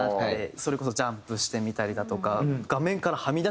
それこそジャンプしてみたりだとか。